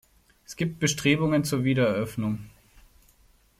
Es gibt Bestrebungen zur Wiedereröffnung.